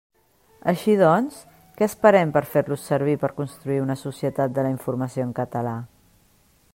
Així doncs, què esperem per fer-los servir per construir una societat de la informació en català?